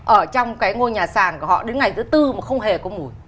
ở trong cái ngôi nhà sàng của họ đến ngày thứ bốn mà không hề có mùi